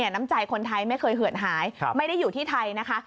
น้ำใจคนไทยไม่เคยเหือดหายไม่ได้อยู่ที่ไทยนะคะ